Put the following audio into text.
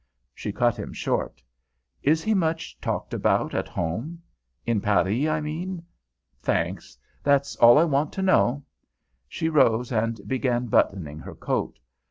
She cut him short. "Is he much talked about at home? In Paris, I mean? Thanks. That's all I want to know." She rose and began buttoning her coat.